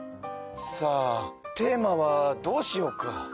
さあテーマはどうしようか。